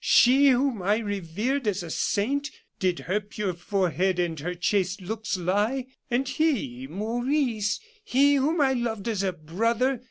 She, whom I revered as a saint! Did her pure forehead and her chaste looks lie? And he Maurice he whom I loved as a brother!